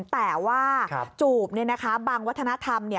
แต่ว่าจูบเนี่ยนะคะบางวัฒนธรรมเนี่ย